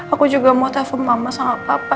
aku juga mau telepon mama sama papa